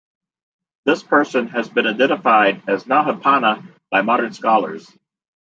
This person has been identified as Nahapana by modern scholars.